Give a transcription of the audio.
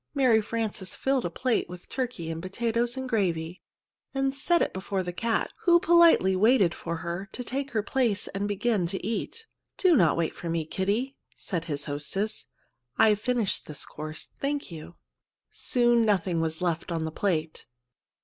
Mary Frances filled a plate with turkey and potatoes and gravy, and set it before the cat, who politely waited for her to take her place and begin to eat. "Do not wait for me, Kitty," said his hostess; "I've finished this course, thank you." Soon nothing was left on the plate.